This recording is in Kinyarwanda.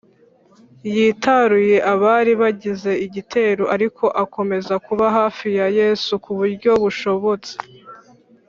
yitaruye abari bagize igitero, ariko akomeza kuba hafi ya yesu ku buryo bushobotse